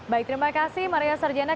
baik terima kasih maria sarjana